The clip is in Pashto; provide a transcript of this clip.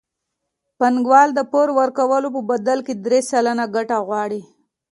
بانکوال د پور ورکولو په بدل کې درې سلنه ګټه غواړي